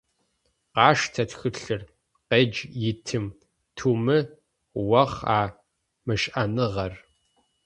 Къаштэ тхылъыр, къедж итым, тумы охъу а мышӏэныгъэр.